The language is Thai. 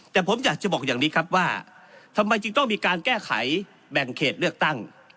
แต่ผมอยากจะบอกอย่างนี้ครับว่าทำไมจึงต้องมีการแก้ไขแบ่งเขตเลือกตั้ง